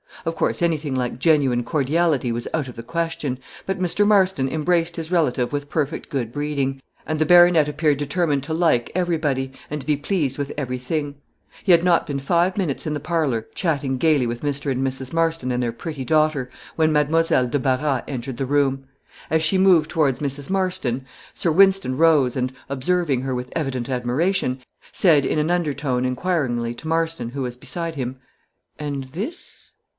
Of course, anything like genuine cordiality was out of the question; but Mr. Marston embraced his relative with perfect good breeding, and the baronet appeared determined to like everybody, and be pleased with everything. He had not been five minutes in the parlor, chatting gaily with Mr. and Mrs. Marston and their pretty daughter, when Mademoiselle de Barras entered the room. As she moved towards Mrs. Marston, Sir Wynston rose, and, observing her with evident admiration, said in an undertone, inquiringly, to Marston, who was beside him "And this?"